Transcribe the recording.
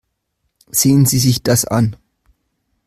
Sehen Sie sich das an.